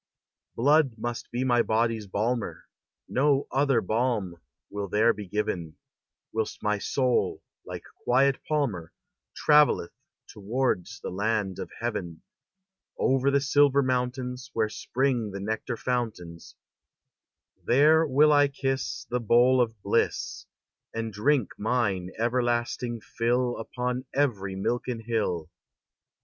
Blood must be my body's balmer, No other balm will there be given; Whilst my soul, like quiet palmer, Travelleth towards the land of Heaven, Over the silver mountains Where spring the nectar fountains: There will I kiss The bowl of bliss, And drink mine everlasting fill Upon every milken hill.